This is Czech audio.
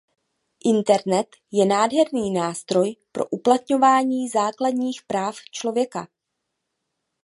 Internet je nádherný nástroj pro uplatňování základních práv člověka.